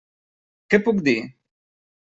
Què puc dir?